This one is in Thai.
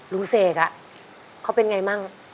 ลุงเศกอะเขาเป็นไงบ้าง